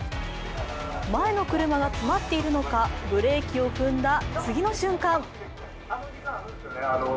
前の車が詰まっているのかブレーキを踏んだ次の瞬間